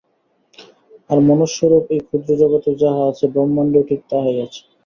আর মনুষ্যরূপ এই ক্ষুদ্র জগতেও যাহা আছে, ব্রহ্মাণ্ডেও ঠিক তাহাই আছে।